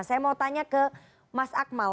saya mau tanya ke mas akmal